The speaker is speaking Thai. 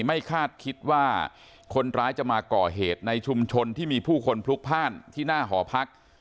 ไม่คาดคิดว่าคนร้ายจะมาก่อเหตุในชุมชนที่มีผู้คนพลุกพ่านที่หน้าหอพัก